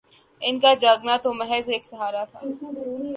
ان کا جگانا تو محض ایک سہارا تھا